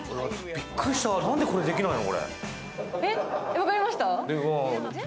びっくりした、なんでこれできないの？